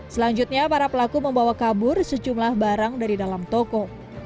selanjutnya para pelaku membawa kabur sejumlah barang dari dalam toko